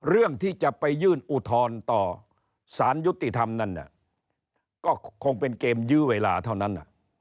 เรื่องที่จะไปยื่นอุทธรณ์ต่อสารยุติธรรมนั่นก็คงเป็นเกมยื้อเวลาเท่านั้น